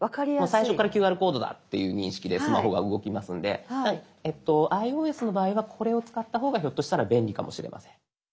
最初から「ＱＲコードだ」っていう認識でスマホが動きますのでｉＯＳの場合はこれを使った方がひょっとしたら便利かもしれません。